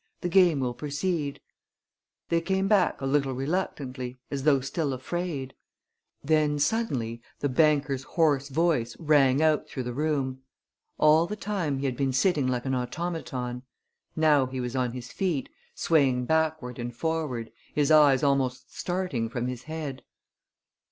The game will proceed." They came back a little reluctantly, as though still afraid. Then suddenly the banker's hoarse voice rang out through the room. All the time he had been sitting like an automaton. Now he was on his feet, swaying backward and forward, his eyes almost starting from his head.